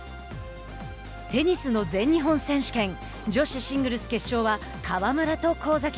テニスの全日本選手権女子シングルス決勝は川村と光崎。